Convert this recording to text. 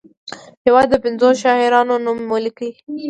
د هیواد د پنځو شاعرانو نومونه ولیکي.